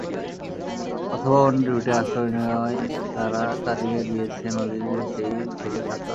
অথবা অন্যের ভিটায় আশ্রয় নেওয়ায় তারা তাড়িয়ে দিয়েছে নদীতে সেই থেকে সাঁতরাচ্ছে।